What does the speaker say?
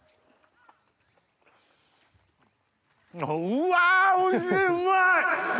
うわおいしいうまい！